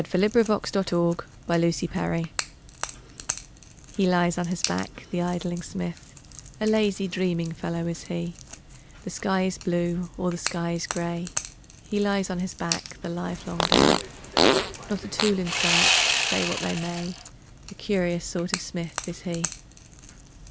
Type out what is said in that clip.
Helen Hunt Jackson The Poet's Forge HE lies on his back, the idling smith, A lazy, dreaming fellow is he; The sky is blue, or the sky is gray, He lies on his back the livelong day, Not a tool in sight, say what they may, A curious sort of smith is he.